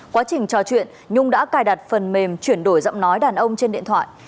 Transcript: quá trình trò chuyện nhung đã cài đặt phần mềm chuyển đổi giọng nói đàn ông trên điện thoại